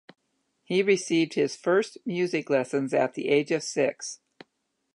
He received his first music lessons at the age of six.